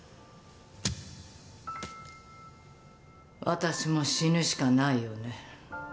私も死ぬしかないようね。